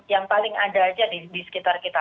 yang paling ada saja di sekitar kita